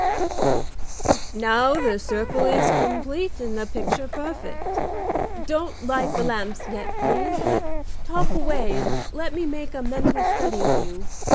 "Now the circle is complete and the picture perfect. Don't light the lamps yet, please, but talk away and let me make a mental study of you.